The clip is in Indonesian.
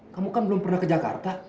kamu kan belum pernah ke jakarta